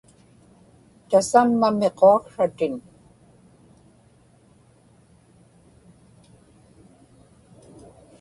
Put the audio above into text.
tasamma miquaksratin